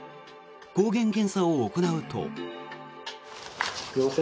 抗原検査を行うと。